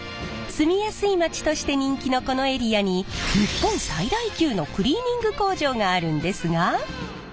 住みやすい町として人気のこのエリアに日本最大級のクリーニング工場があるんですが。